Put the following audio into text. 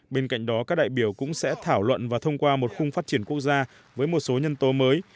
bên cạnh đó các đại biểu cũng sẽ thảo luận và thông qua một khung phát triển quốc gia với một số nhân tố mới